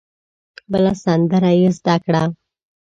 بله سندره یې زده کړه.